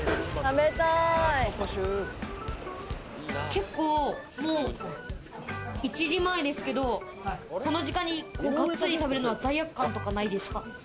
結構、１時前ですけど、この時間にガッツリ食べるのは罪悪感とかないですか？